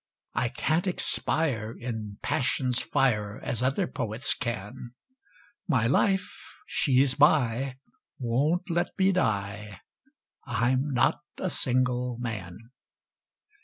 I can't expire in passion's fire As other poets can My life (she's by) won't let me die I'm not a single man.